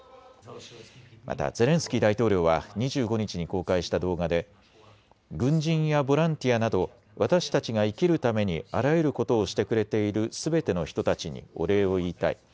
またゼレンスキー大統領は２５日に公開した動画で軍人やボランティアなど私たちが生きるためにあらゆることをしてくれているすべての人たちにお礼を言いたい。